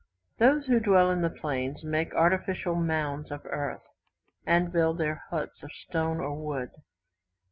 Those who dwell in the plains make artificial mounds of earth, and build their huts of stone or wood.